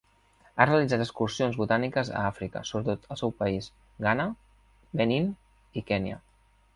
Ha realitzat excursions botàniques a Àfrica, sobretot al seu país, Ghana, Benín, i Kenya.